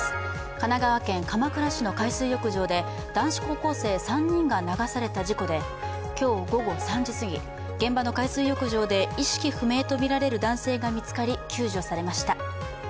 神奈川県鎌倉市の海水浴場で男子高校生３人が流された事故で今日午後３時すぎ、現場の海水浴場で意識不明とみられる男性が見つかり救助されました。